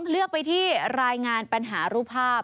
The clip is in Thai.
เลือกไปที่รายงานปัญหารูปภาพ